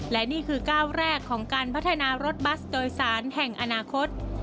และนี่คือก้าวแรกของการพัฒนารถบัสโดยสารแห่งอนาคต